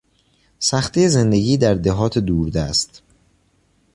سختی زندگی در دهات دوردست